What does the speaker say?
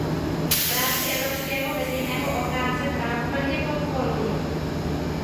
Práci evropského veřejného ochránce práv plně podporuji.